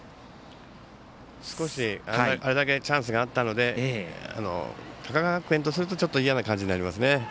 あれだけチャンスがあったので高川学園とするとちょっと嫌な感じになりますね。